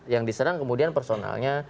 yang diserang kemudian personalnya